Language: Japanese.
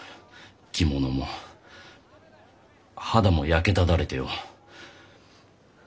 着物も肌も焼けただれてよ。